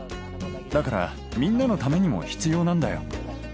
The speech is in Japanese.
だからみんなのためにも必要なんだよ。